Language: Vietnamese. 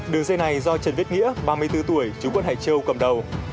đường dây này do trần viết nghĩa ba mươi bốn tuổi chú quận hải châu cầm đầu